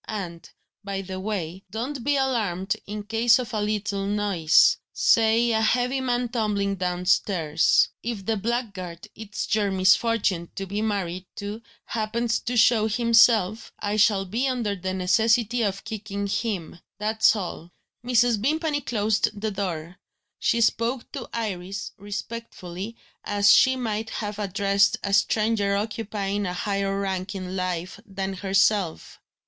And, by the way, don't be alarmed in case of a little noise say a heavy man tumbling downstairs. If the blackguard it's your misfortune to be married to happens to show himself, I shall be under the necessity of kicking him. That's all." Mrs. Vimpany closed the door. She spoke to Iris respectfully, as she might have addressed a stranger occupying a higher rank in life than herself.